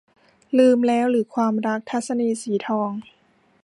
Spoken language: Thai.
ลืมแล้วหรือความรัก - ทัศนีย์ สีทอง